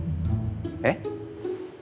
えっ？